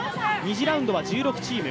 ２次ラウンドは１６チーム。